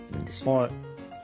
はい。